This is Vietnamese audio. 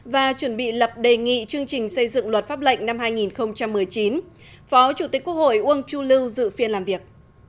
và chuẩn bị lập đề nghị chương trình xây dựng luật pháp lệnh năm hai nghìn một mươi chín phó chủ tịch quốc hội uông chu lưu dự phiên làm việc